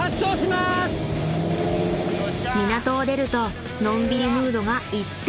［港を出るとのんびりムードが一転］